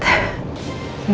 nggak kena mental